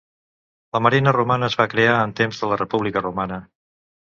La marina romana es va crear en temps de la República Romana.